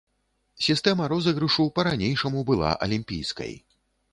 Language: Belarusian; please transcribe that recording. Сістэма розыгрышу па-ранейшаму была алімпійскай.